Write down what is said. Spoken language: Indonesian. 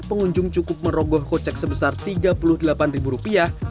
pengunjung cukup merogoh kocek sebesar tiga puluh delapan ribu rupiah